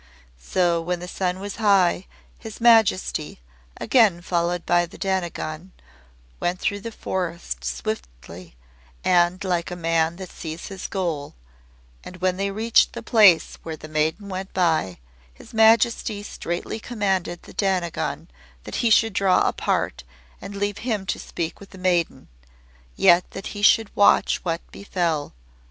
So when the sun was high His Majesty, again followed by the Dainagon, went through the forest swiftly, and like a man that sees his goal, and when they reached the place where the maiden went by, His Majesty straitly commanded the Dainagon that he should draw apart, and leave him to speak with the maiden; yet that he should watch what befell.